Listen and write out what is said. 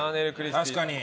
確かに。